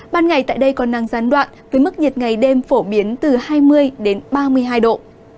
ban ngày tại đây còn năng gián đoạn với mức nhiệt ngày đêm phổ biến từ hai mươi đến ba mươi hai độ